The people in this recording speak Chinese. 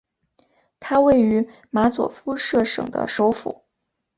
它位于马佐夫舍省的首府。